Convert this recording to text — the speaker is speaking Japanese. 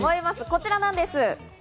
こちらなんです。